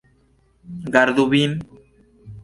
Gardu vin!